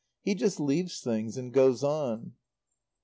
"He just leaves things and goes on."